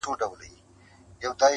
ماته په اورغوي کي ازل موجونه کښلي وه!.